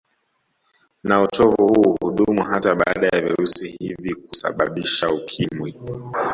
Na uchovu huu hudumu hata baada ya virusi hivi kusababisha Ukimwi